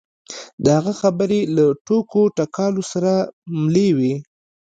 د هغه خبرې له ټوکو ټکالو سره ملې وې.